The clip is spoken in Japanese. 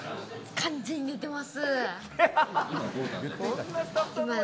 完全に寝てます。